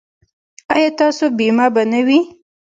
ایا ستاسو بیمه به نه وي؟